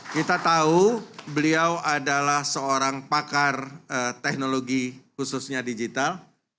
kita tahu beliau adalah seorang pakar teknologi khususnya digital